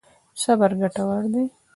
صبر ګټور دی.